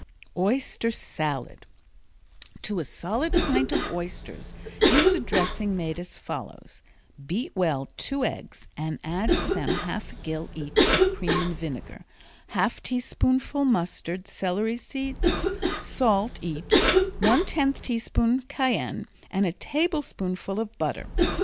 Oyster Salad To a solid pint of oysters use a dressing made as follows: Beat well two eggs and add to them half a gill each of cream and vinegar, half teaspoonful mustard, celery seed, salt each, one tenth teaspoonful cayenne, and a tablespoonful of butter.